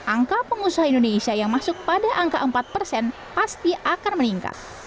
angka pengusaha indonesia yang masuk pada angka empat persen pasti akan meningkat